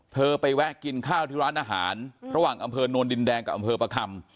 เธอไปแวะกินข้าวที่ร้านอาหารระหว่างอำเภอโนนดินแดงกับอำเภอประคำ